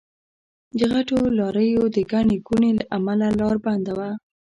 د غټو لاريو د ګڼې ګوڼې له امله لار بنده وه.